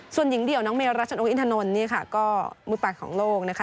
ส่วนหญิงเดี่ยวน้องเมล์รัชโนโกยินธนลก็มือ๘ของโลกนะคะ